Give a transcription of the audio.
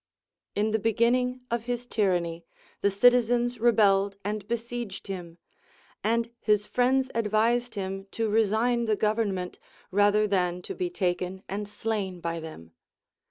In the beginning of his tyranny, the citizens rebelled and besieged him ; and his friends advised him to resign the government, rather than to be taken and slain by them.